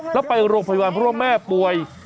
แล้วไปโรงขับพยพวัณฑ์เพราะว่าแม่ป่วย